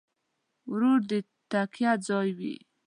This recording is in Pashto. ورور د تکیه ځای وي.